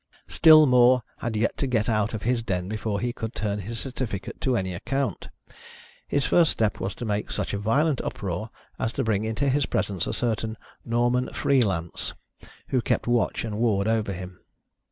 Still More had yet to get out of his den before he could turn his certificate to any account. His first step was to make such a violent uproar as to bring into his presence a certain " Norman Free Lance " who kept watch and ward over him.